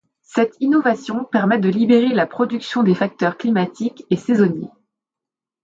Cette innovation permet de libérer la production des facteurs climatiques et saisonniers.